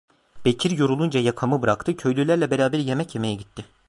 Bekir yorulunca yakamı bıraktı, köylülerle beraber yemek yemeye gitti.